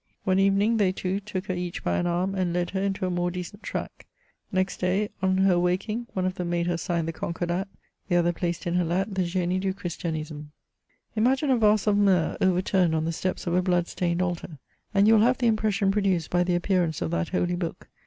One evening they two took her each by an arm, and led her into a more decent track. Next day, on her awaking, one of them made her sign the Concordat, the other placed in her lap the G^ie du Christianisme, Imagine a vase of myrrh overturned on the steps of a blood stained altar, and you will have the impression produced ^ the appearance of that holy book.